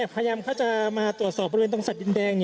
พยายามเขาจะมาตรวจสอบบริเวณตรงสัตว์ดินแดง